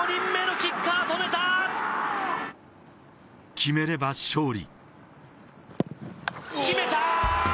決めれば勝利。